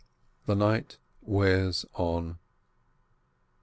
The night wears on.